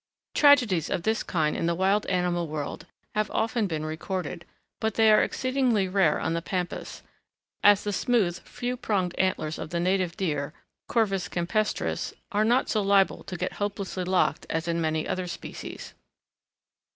Tragedies of this kind in the wild animal world have often been recorded, but they are exceedingly rare on the pampas, as the smooth few pronged antlers of the native deer, corvus campestris, are not so liable to get hopelessly locked as in many other species.